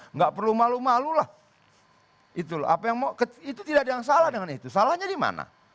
nggak perlu malu malu lah apa yang mau itu tidak ada yang salah dengan itu salahnya di mana